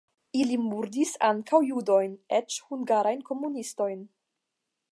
Ili murdis ankaŭ judojn, eĉ hungarajn komunistojn.